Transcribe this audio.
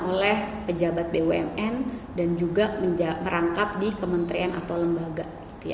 oleh pejabat bumn dan juga berangkap di kementerian atau lembaga gitu ya